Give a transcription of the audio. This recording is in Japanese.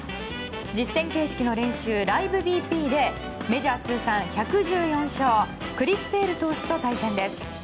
実戦形式の練習ライブＢＰでメジャー通算１１４勝クリス・セール投手と対戦です。